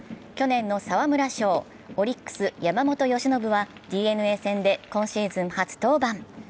去年の沢村賞、オリックス・山本由伸はＤｅＮＡ戦で今シーズン初登板。